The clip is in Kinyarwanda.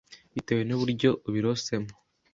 bitewe n’uburyo ubirosemo